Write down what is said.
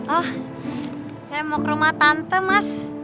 oh saya mau ke rumah tante mas